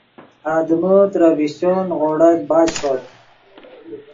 آدمے ترے فیشچو نیغوڑت بچ ݰوت